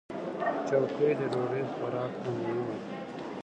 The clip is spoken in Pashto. چوکۍ د ډوډۍ خوراک ته مهمه ده.